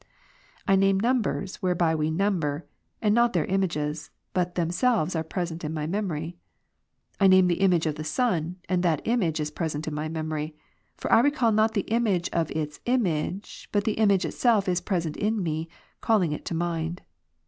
I name numbers whereby we number; and not their images, but themselves are present in my memory. I name the image of the sun, and that image is present in my memory. For I recal not the image of its image, but the image itself is present to me, calling it to mind.